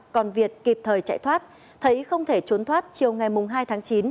còn việt kịp thời chạy thoát thấy không thể trốn thoát chiều ngày hai tháng chín